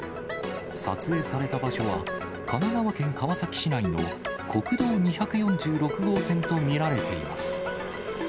撮影された場所は、神奈川県川崎市内の国道２４６号線と見られています。